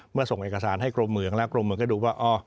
ส่งเอกสารให้กรมเมืองและกรมเมืองก็ดูว่า